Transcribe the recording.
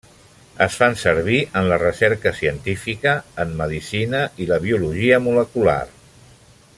Es fan servir en la recerca científica en medicina i la biologia molecular.